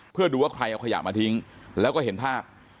เพื่อดูว่าใครเอาขยะมาทิ้งแล้วก็เห็นภาพ